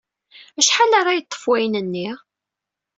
Acḥal ara yeṭṭef wayen-nni?